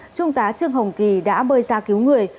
trung tá trương hồng kỳ đã bơi ra cứu người